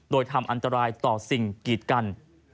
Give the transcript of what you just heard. โดยทำอันตรายต่อสิ่งกีดกัน